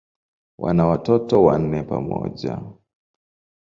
Wana watoto wanne pamoja.